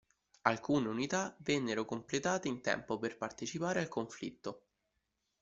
Alcune unità vennero completate in tempo per partecipare al conflitto.